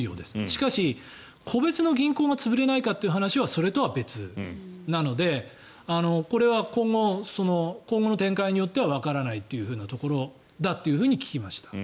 しかし、個別の銀行が潰れないかという話はそれとは別なのでこれは今後の展開によってはわからないっていうところだって聞きました。